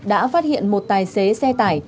đã phát hiện một tài xế xe tải